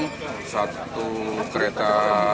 dan satu kereta